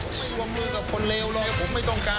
ผมไม่รวมมือกับคนเลวเลยผมไม่ต้องการ